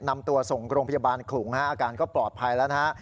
นำตัวส่งโรงพยาบาลขลุงอาการก็ปลอดภัยแล้วนะฮะ